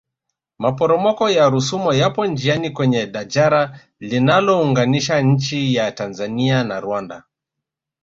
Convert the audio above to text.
maporomoko ya rusumo yapo njiani kwenye dajara linalounganisha nchi ya tanzania na rwanda